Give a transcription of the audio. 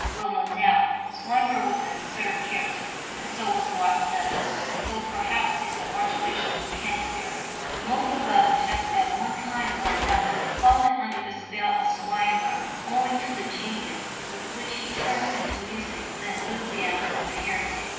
Well, no doubt, Swinburne was an absurd character. And so was Watts Dunton. And so, perhaps, is the Archbishop of Canterbury. Most of us have, at one time or another, fallen under the spell of Swinburne owing to the genius with which he turned into music the enthusiasm of the heretic.